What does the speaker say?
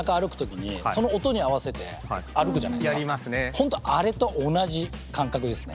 本当あれと同じ感覚ですね。